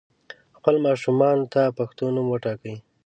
خپل ماشومانو ته پښتو نوم وټاکئ